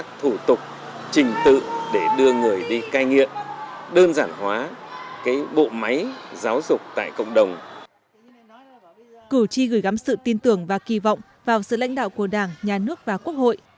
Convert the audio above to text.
cử tri gửi gắm sự tin tưởng và kỳ vọng vào sự lãnh đạo của đảng nhà nước và quốc hội